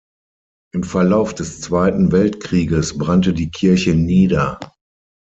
Im Verlauf des Zweiten Weltkrieges brannte die Kirche nieder.